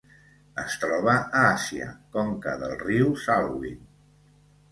Es troba a Àsia: conca del riu Salween.